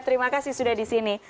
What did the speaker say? terima kasih sudah di sini